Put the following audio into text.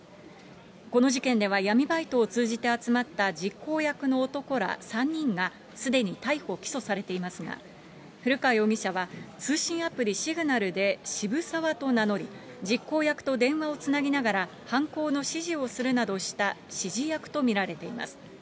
この事件では闇バイトを通じて集まった実行役の男ら３人がすでに逮捕・起訴されていますが、古川容疑者は、通信アプリ、シグナルで渋沢と名乗り、実行役と電話をつなぎながら、犯行の指示をするなどした指示役と見られています。